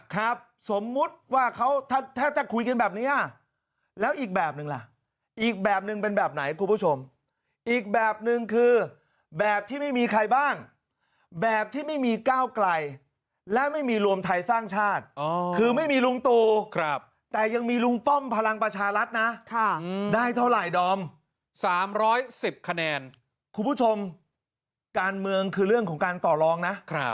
ครับสมมุติว่าเขาถ้าจะคุยกันแบบนี้แล้วอีกแบบนึงล่ะอีกแบบนึงเป็นแบบไหนคุณผู้ชมอีกแบบนึงคือแบบที่ไม่มีใครบ้างแบบที่ไม่มีก้าวไกลและไม่มีรวมไทยสร้างชาติคือไม่มีลุงตู่แต่ยังมีลุงป้อมพลังประชารัฐนะได้เท่าไหร่ดอม๓๑๐คะแนนคุณผู้ชมการเมืองคือเรื่องของการต่อรองนะ